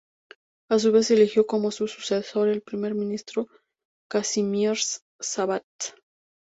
A su vez, eligió como su sucesor al Primer Ministro Kazimierz Sabbat.